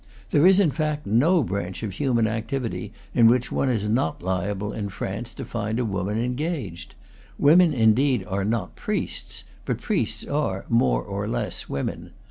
There is, in fact, no branch of human activity in which one is not liable, in France, to find a woman engaged. Women, indeed, are not priests; but priests are, more or less; women.